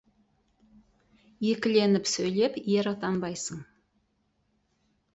Екіленіп сөйлеп ер атанбайсың.